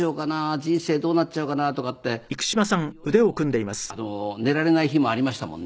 人生どうなっちゃうかな？とかって本当に夜も寝られない日もありましたもんね。